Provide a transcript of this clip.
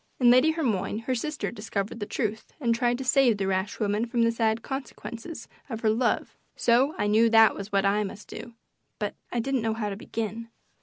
In Lady Hermione her sister discovered the truth and tried to save the rash woman from the sad consequences of her love, so I knew that was what I must do, but I didn't know how to begin.